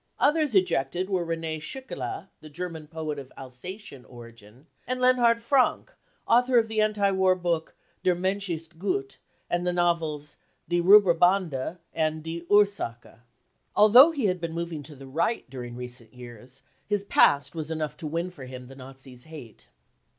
Others ejected were Rene Schickele, the German poet of Alsatian origin ; and Leonhard Frank, author of the anti war book Der Mensch ist gut , and the novels Die Rauberbande and Die Ursache . Although he had been moving to the Right during recent years, his past was enough to win for him the Nazis' hate.